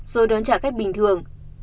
rồi đón trả cách bình thường